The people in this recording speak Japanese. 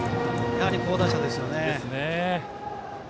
やはり好打者ですよね。